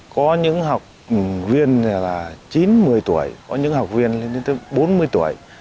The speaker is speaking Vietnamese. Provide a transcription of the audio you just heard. có những học viên lên tới bốn mươi tuổi